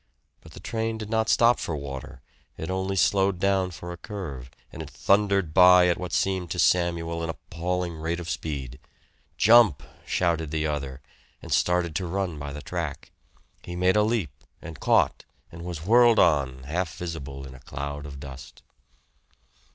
But the train did not stop for water; it only slowed down for a curve, and it thundered by at what seemed to Samuel an appalling rate of speed. "Jump!" shouted the other, and started to run by the track. He made a leap, and caught, and was whirled on, half visible in a cloud of dust.